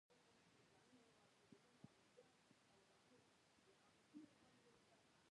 څنګه کولی شم په وردپریس ویبسایټ جوړ کړم